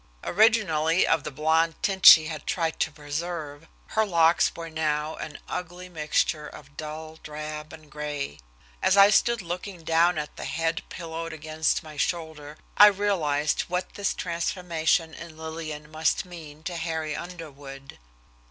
Originally of the blonde tint she had tried to preserve, her locks were now an ugly mixture of dull drab and gray. As I stood looking down at the head pillowed against my shoulder I realized what this transformation in Lillian must mean to Harry Underwood.